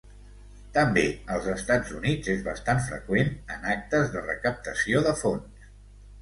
També, als Estats Units és bastant freqüent en actes de recaptació de fons.